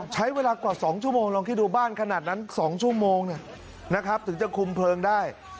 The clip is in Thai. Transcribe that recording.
ใช้เวลากว่า๒ชั่วโมงลองคิดดูบ้านขนาดนั้น๒ชั่วโมงถึงจะคุมเพลิงได้